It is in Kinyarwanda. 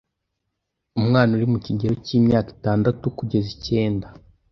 Umwana uri mu kigero cy’imyaka itandatu kugeza icyenda